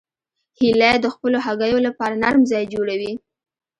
هیلۍ د خپلو هګیو لپاره نرم ځای جوړوي